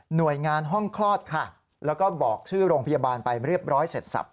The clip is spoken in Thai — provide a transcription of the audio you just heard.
หน่วยงานห้องคลอดค่ะแล้วก็บอกชื่อโรงพยาบาลไปเรียบร้อยเสร็จสับ